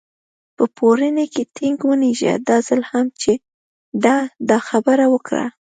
په پوړني کې ټینګ ونېژه، دا ځل هم چې ده دا خبره وکړه.